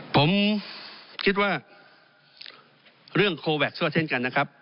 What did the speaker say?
ผมคิดว่าเรื่องโคแวคซั่วเช่นกันนะครับ